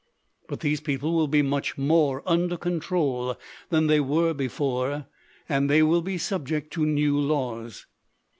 But these people will be much more under con trol than they were before, and they will be sub ject to new laws.